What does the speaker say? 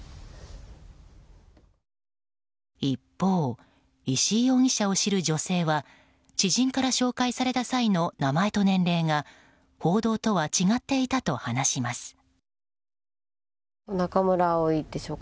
一方、石井容疑者を知る女性は知人から紹介された際の名前と年齢が報道とは違っていたと話します。